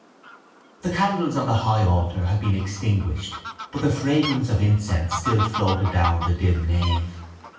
The candles on the high altar had been extinguished but the fragrance of incense still floated down the dim nave.